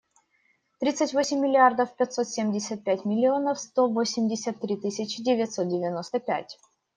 Тридцать восемь миллиардов пятьсот семьдесят пять миллионов сто восемьдесят три тысячи девятьсот девяносто пять.